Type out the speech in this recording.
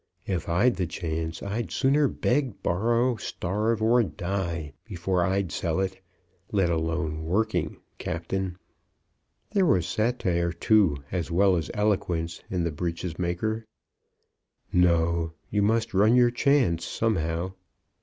If I'd the chance I'd sooner beg, borrow, starve, or die, before I'd sell it; let alone working, Captain." There was satire too as well as eloquence in the breeches maker. "No; you must run your chance, somehow."